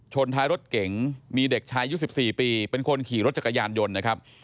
ท้ายรถเก๋งมีเด็กชายอายุ๑๔ปีเป็นคนขี่รถจักรยานยนต์นะครับ